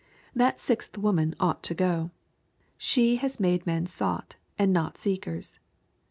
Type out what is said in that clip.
That sixth woman ought to go. She has made men sought and not seekers.